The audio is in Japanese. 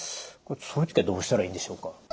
そういう時はどうしたらいいんでしょうか？